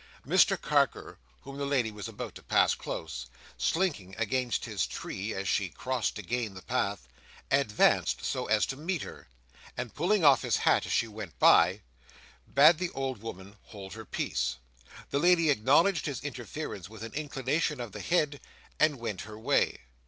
Mr Carker, whom the lady was about to pass close, slinking against his tree as she crossed to gain the path, advanced so as to meet her, and pulling off his hat as she went by, bade the old woman hold her peace. The lady acknowledged his interference with an inclination of the head, and went her way.